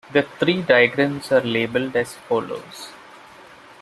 The three diagrams are labelled as follows.